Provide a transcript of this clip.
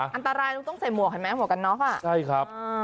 อันตรายต้องใส่หมวกไหมหมวกกันน๊อคอ่ะ